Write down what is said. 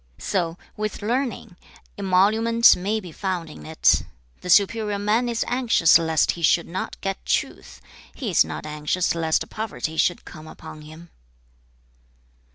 So with learning; emolument may be found in it. The superior man is anxious lest he should not get truth; he is not anxious lest poverty should come upon him.'